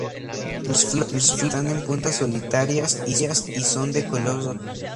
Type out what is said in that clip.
Las flores están en puntas solitarias y son de color rosado.